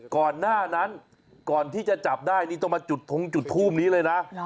ก่อนหน้านั้นก่อนที่จะจับได้ต้องในจุดทมนี้เลยนะ